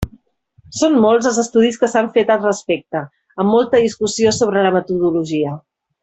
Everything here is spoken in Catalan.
Són molts els estudis que s'han fet al respecte, amb molta discussió sobre la metodologia.